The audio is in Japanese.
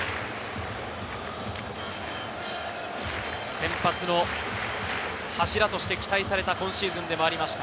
先発の柱として期待された今シーズンでもありました。